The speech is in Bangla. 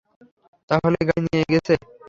তাহলে গাড়ি নিয়ে গেছে।